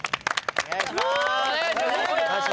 お願いします。